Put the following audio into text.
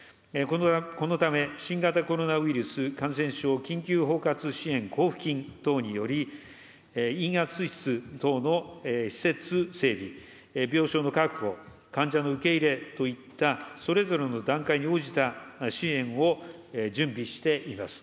このため、新型コロナウイルス感染症緊急包括支援交付金等により、陰圧室等の施設整備、病床の確保、患者の受け入れといったそれぞれの段階に応じた支援を準備しています。